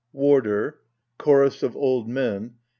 Warder. Chokos of Old Men.